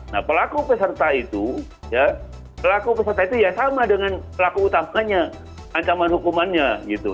nah pelaku peserta itu ya sama dengan pelaku utamanya ancaman hukumannya gitu